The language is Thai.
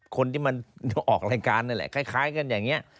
คนที่มันออกรายการนั่นแหละคล้ายกันอย่างนี้